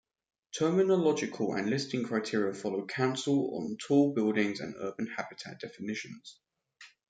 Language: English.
Terminological and listing criteria follow Council on Tall Buildings and Urban Habitat definitions.